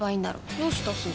どうしたすず？